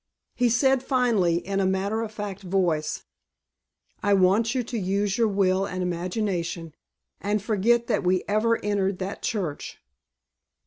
He said finally, in a matter of fact voice: "I want you to use your will and imagination and forget that we ever entered that church."